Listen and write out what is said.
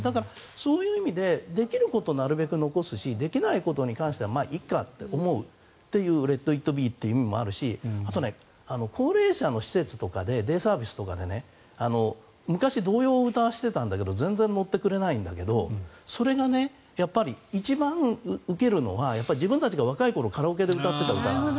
そういう意味でできることをなるべく残すしできないことに関してはまあいっかと思うレットイットビーという意味もあるしあとは高齢者の施設とかでデイサービスとかで昔、童謡を歌わせていたんだけど全然乗ってくれないんだけどそれが一番受けるのは自分たちが若い頃カラオケで歌っていた歌。